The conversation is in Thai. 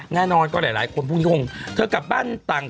แน่นอนก็หลายคนพุ่งยงถึงกลับบ้านต่าง